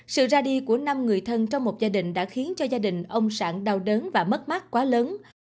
sự ra đi của năm người thân trong một gia đình đã khiến cho gia đình ông sản đau đớn và mất mắt quá lớn